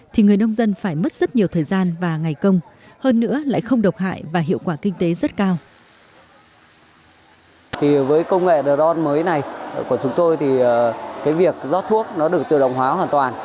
thì người nông dân phải mất rất nhiều thời gian và ngày công hơn nữa lại không độc hại và hiệu quả kinh tế rất cao